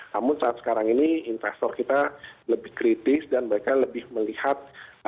namun saat sekarang ini investor kita lebih kritis dan mereka lebih melihat